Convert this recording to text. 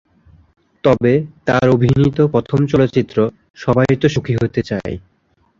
তবে, তার অভিনীত প্রথম চলচ্চিত্র "সবাই তো সুখী হতে চায়"।